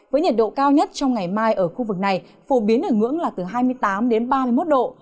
với nhiệt độ cao nhất trong ngày mai ở khu vực này phổ biến ở ngưỡng là từ hai mươi tám đến ba mươi một độ